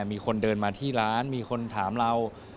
มีคนเดินมาที่ร้านมีคนถามเรา